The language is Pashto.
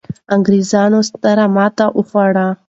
انګرېزانو ستره ماته وخوړه.